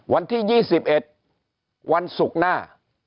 วันที่๒๑วันศุกร์หน้า